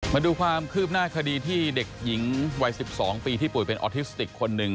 มาดูความคืบหน้าคดีที่เด็กหญิงวัย๑๒ปีที่ป่วยเป็นออทิสติกคนหนึ่ง